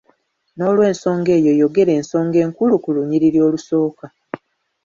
N'olw'ensonga eyo yogera ensonga enkulu ku lunyiriri olusooka.